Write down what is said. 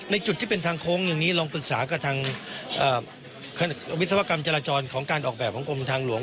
จุดที่เป็นทางโค้งอย่างนี้ลองปรึกษากับทางวิศวกรรมจราจรของการออกแบบของกรมทางหลวง